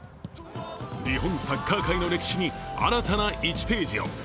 日本サッカー界の歴史に新たな１ページを。